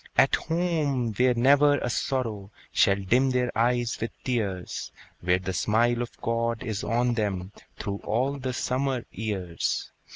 At home, where never a sorrow Shall dim their eyes with tears! Where the smile of God is on them Through all the summer years!